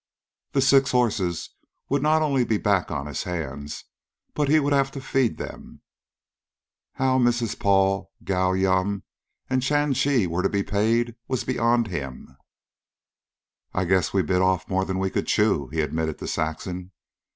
The six horses would not only be back on his hands, but he would have to feed them. How Mrs. Paul, Gow Yum, and Chan Chi were to be paid was beyond him. "I guess we've bit off more'n we could chew," he admitted to Saxon.